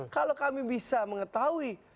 kalau kami bisa mengetahui